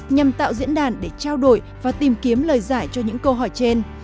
nhằm tạo diễn đàn để trao đổi và tìm kiếm lời giải cho những câu hỏi trên